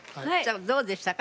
どうでしたか？